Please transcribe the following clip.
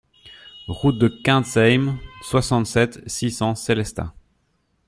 Route de Kintzheim, soixante-sept, six cents Sélestat